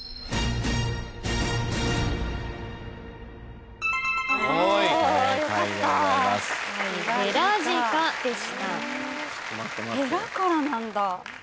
ヘラからなんだ。